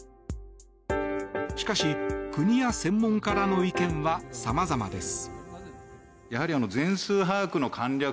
しかし国や専門家からの意見はさまざまです。